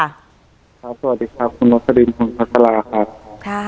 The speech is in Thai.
สวัสดีค่ะคุณรัฐดินทรัฐราค่ะ